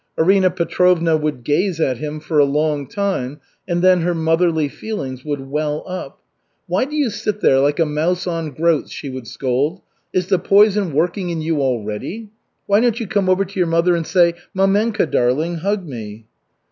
Arina Petrovna would gaze at him for a long time, and then her motherly feelings would well up: "Why do you sit there like a mouse on groats?" she would scold. "Is the poison working in you already? Why don't you come over to your mother and say: 'Mamenka darling, hug me?'"